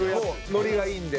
ノリがいいんで。